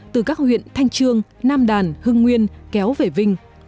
từ các huyện thanh trương nam đàn hưng nguyên kéo về vinh